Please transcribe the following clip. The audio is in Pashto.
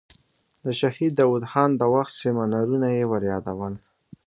د شهید داود خان د وخت سیمینارونه یې وریادول.